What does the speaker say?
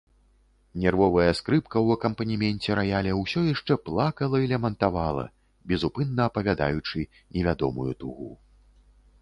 Нервовая скрыпка ў акампанеменце раяля ўсё яшчэ плакала і лямантавала, безупынна апавядаючы невядомую тугу.